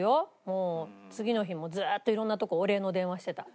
もう次の日もずっと色んなとこお礼の電話してた。